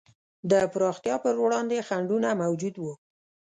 د پراختیا پر وړاندې خنډونه موجود وو.